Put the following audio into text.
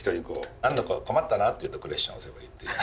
何だか困ったなっていうとクエスチョン押せばいいっていう。